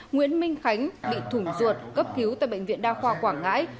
nguyễn minh khánh bị thủng ruột cấp cứu tại bệnh viện đa khoa quảng ngãi